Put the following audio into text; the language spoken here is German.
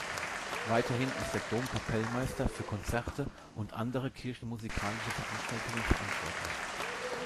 Weiterhin ist der Domkapellmeister für Konzerte und andere kirchenmusikalische Veranstaltungen verantwortlich.